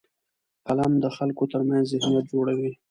قلم د خلکو ترمنځ ذهنیت جوړوي